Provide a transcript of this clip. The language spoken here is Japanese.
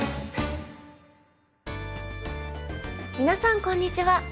皆さんこんにちは。